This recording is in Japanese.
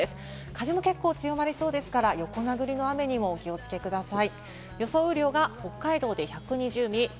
風も結構、強まりそうですから、横殴りの雨にもお気をつけください。